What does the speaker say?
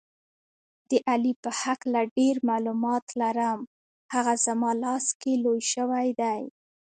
د علي په هکله ډېر معلومات لرم، هغه زما لاس کې لوی شوی دی.